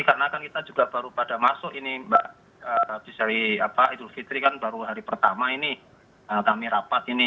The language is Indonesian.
karena kan kita juga baru pada masuk ini mbak di seri idul fitri kan baru hari pertama ini kami rapat ini